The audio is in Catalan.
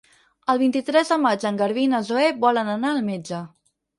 El vint-i-tres de maig en Garbí i na Zoè volen anar al metge.